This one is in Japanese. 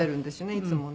いつもね。